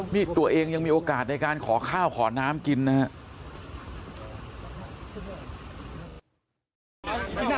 นี่ตัวเองยังมีโอกาสในการขอข้าวขอน้ำกินนะครับ